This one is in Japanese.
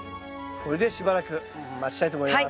これでしばらく待ちたいと思います。